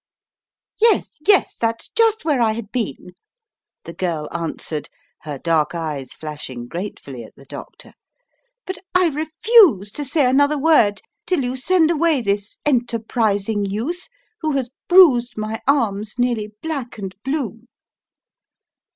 "Yes, yes, that's just where I had been," the girl answered, her dark eyes flashing gratefully at the doctor, "but I refuse to say another word till you send away this enterprising youth who has bruised my arms nearly black and blue."